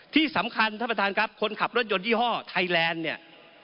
ที่สำคัญท่านประธานครับคนขับรถยนต์ยี่ห้อไทยแลนด์เนี่ย